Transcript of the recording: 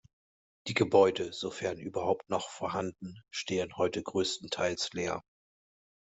Die Gebäude, sofern überhaupt noch vorhanden, stehen heute größtenteils leer.